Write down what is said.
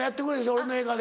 俺の映画で。